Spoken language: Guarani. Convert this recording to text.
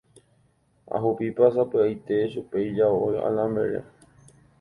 Ahupipa sapy'aite chupe ijao alambre-re.